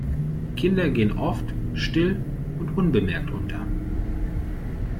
Kinder gehen oft still und unbemerkt unter.